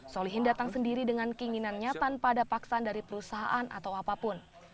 solihin datang sendiri dengan keinginannya tanpa ada paksaan dari perusahaan atau apapun